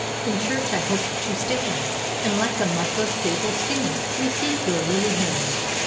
In church I hoped to stand. And like a muS of sable skin Receive your lily hand.